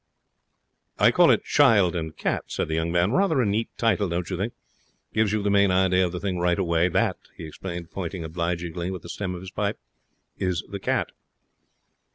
'I call it "Child and Cat",' said the young man. 'Rather a neat title, don't you think? Gives you the main idea of the thing right away. That,' he explained, pointing obligingly with the stem of his pipe, 'is the cat.'